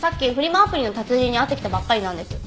アプリの達人に会ってきたばっかりなんです。